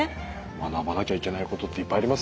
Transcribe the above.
学ばなきゃいけないことっていっぱいありますね。